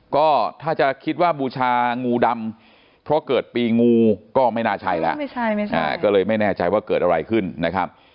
ก็ถ้าจะคิดว่าบูชางูดำเพราะเกิดปีงูก็ไม่น่าใช่แล้วก็เลยไม่แน่ใจว่าเกิดอะไรขึ้นนะครับ